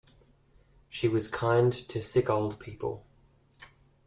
She was kind to sick old people.